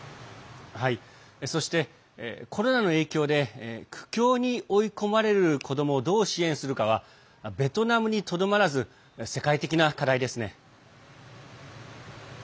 そして、コロナの影響で苦境に追い込まれる子どもをどう支援するかはベトナムにとどまらず世界的な課題ですね。